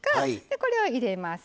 これを入れます。